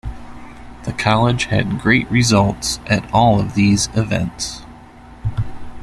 The College had great results at all of these events.